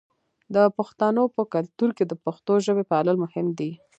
د پښتنو په کلتور کې د پښتو ژبې پالل مهم دي.